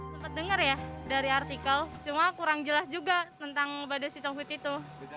sempet denger ya dari artikel cuma kurang jelas juga tentang badai sitokin itu